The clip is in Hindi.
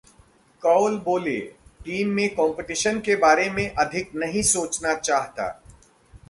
कौल बोले- टीम में कॉम्पिटिशन के बारे में अधिक नहीं सोचना चाहता